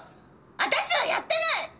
私はやってない！